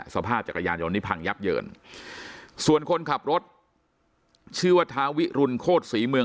จักรยานยนต์นี้พังยับเยินส่วนคนขับรถชื่อว่าทาวิรุณโคตรศรีเมือง